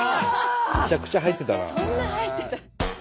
めちゃくちゃ入ってたな。